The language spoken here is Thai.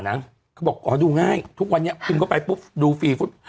นะเขาบอกอ๋อดูง่ายทุกวันเนี้ยขึ้นเข้าไปปุ๊บดูฟรีฟุต